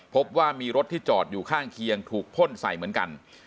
พบว่ามีรถที่จอดอยู่ข้างเคียงถูกพ่นใส่เหมือนกัน